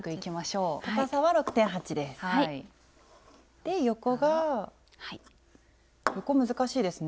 で横が横難しいですね。